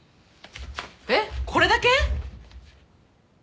えっこれだけ？